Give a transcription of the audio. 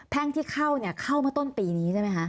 ที่เข้าเข้ามาต้นปีนี้ใช่ไหมคะ